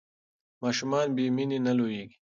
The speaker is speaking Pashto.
ماشومان بې مینې نه لویېږي.